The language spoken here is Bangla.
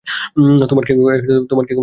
তোমার কি খবর?